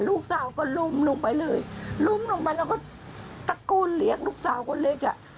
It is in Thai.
ลูกสาวก็ลุมลงไปเลยลุมลงไปแล้วก็ตะโกนเรียกลูกสาวคนเล็กอ่ะ